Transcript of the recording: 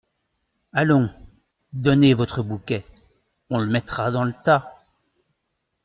Allons… donnez votre bouquet… on le mettra dans le tas !